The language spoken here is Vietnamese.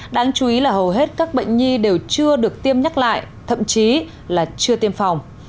đáng chú ý là hầu hết các bệnh nhi đều chưa được tiêm nhắc lại thậm chí là chưa tiêm phòng